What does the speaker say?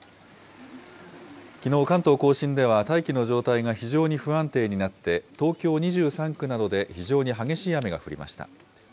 きのう、関東甲信では大気の状態が非常に不安定になって、東京２３区などで非常に激しい雨が降りました。